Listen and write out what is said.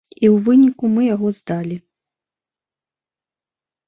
І ў выніку мы яго здалі.